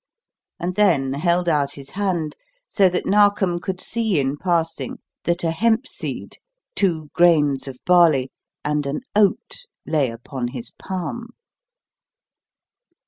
And then held out his hand so that Narkom could see, in passing, that a hempseed, two grains of barley, and an oat lay upon his palm.